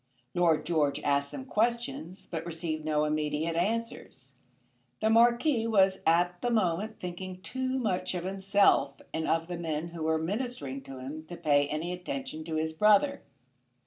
Lord George asked some questions, but received no immediate answers. The Marquis was at the moment thinking too much of himself and of the men who were ministering to him to pay any attention to his brother.